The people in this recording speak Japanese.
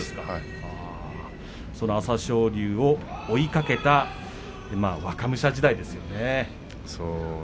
その朝青龍を追いかけた若武者時代ですよね。